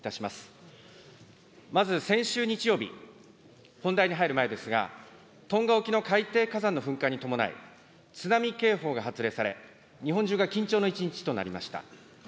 まず先週日曜日、本題に入る前ですが、トンガ沖の海底火山の噴火に伴い、津波警報が発令され、日本中が緊張の一日となりました。